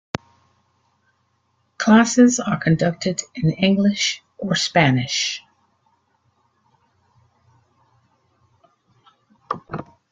Classes are conducted in English or Spanish.